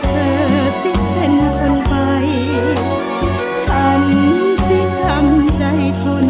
สิเป็นคนไปฉันสิทำใจทน